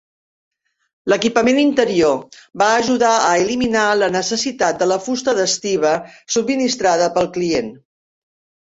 L'equipament interior va ajudar a eliminar la necessitat de la fusta d'estiba subministrada pel client.